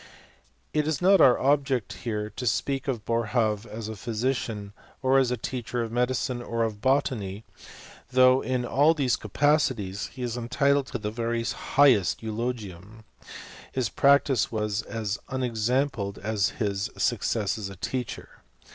It is not our object here to speak of Boerhaave as a physician, or as a teacher of medicine, or of botany ; though in all these capacities he is entitled to the very highest eulogium ; his practice was as unexampled as his success as a teacher.